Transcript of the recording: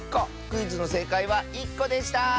クイズのせいかいは１こでした！